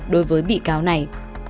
đối với bị cáo này